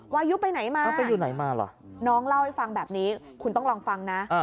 วายุไปไหนมาน้องเล่าให้ฟังแบบนี้คุณต้องลองฟังนะ